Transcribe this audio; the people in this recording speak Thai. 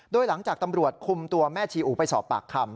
โดยหลังจากตำรวจคุมตัวแม่ชีอูไปสอบปากคำ